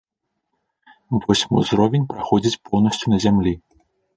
Восьмы ўзровень праходзіць поўнасцю на зямлі.